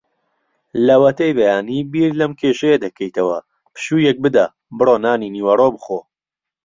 لەوەتەی بەیانی بیر لەم کێشەیە دەکەیتەوە. پشوویەک بدە؛ بڕۆ نانی نیوەڕۆ بخۆ.